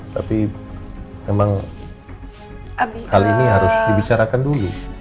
tapi memang hal ini harus dibicarakan dulu